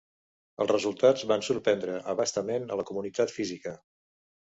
Els resultats van sorprendre a bastament a la comunitat física.